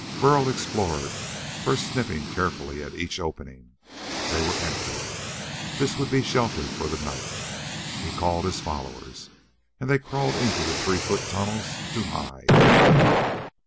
Burl explored, first sniffing carefully at each opening. They were empty. This would be shelter for the night. He called his followers, and they crawled into the three foot tunnels to hide.